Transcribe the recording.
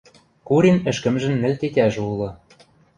Курин ӹшкӹмжӹн нӹл тетяжӹ улы.